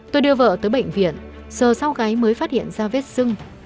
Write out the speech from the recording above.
tôi đưa vợ tới bệnh viện giờ sau cái mới phát hiện ra vết dưng